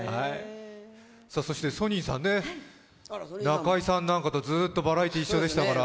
ソニンさん、中居さんなんかとずっとバラエティー一緒でしたから。